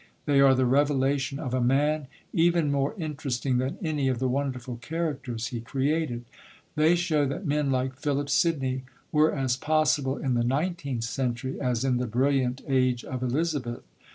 They are the revelation of a man even more interesting than any of the wonderful characters he created; they show that men like Philip Sidney were as possible in the nineteenth century as in the brilliant age of Elizabeth.